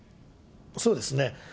そうですね。